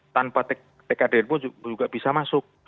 tanpa tkdn pun juga bisa masuk